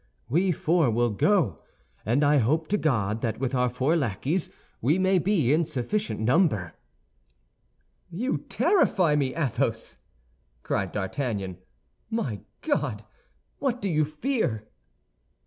We four will go; and I hope to God that with our four lackeys we may be in sufficient number." "You terrify me, Athos!" cried D'Artagnan. "My God! what do you fear?"